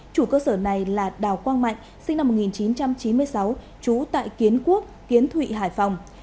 chủ cơ sở này là đào quang mạnh sinh năm một nghìn chín trăm chín mươi sáu trú tại kiến quốc kiến thụy hải phòng